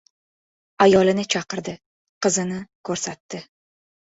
Ayolini chaqirdi. Qizni ko‘rsatdi.